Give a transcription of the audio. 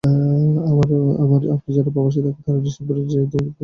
আমরা যারা প্রবাসে থাকি তারা ডিসেম্বরে দেশে যেতে চাই আবহাওয়া ভালো থাকে বলে।